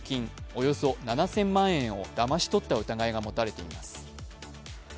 およそ７０００万円をだまし取った疑いが持たれています。